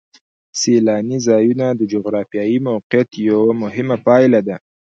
سیلاني ځایونه د جغرافیایي موقیعت یوه مهمه پایله ده.